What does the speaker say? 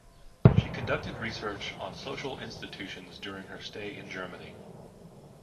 She conducted research on social institutions during her stay in Germany.